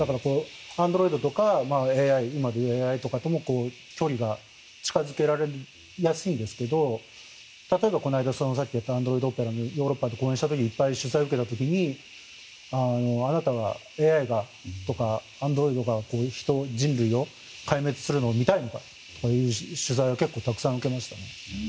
アンドロイドとかＡＩとかとも距離が近づけられやすいですが例えば、この間アンドロイド展ヨーロッパで公演した時にいっぱい取材を受けた時にあなたはＡＩとかアンドロイドが人類を壊滅するのを見たいのかという取材をたくさん受けました。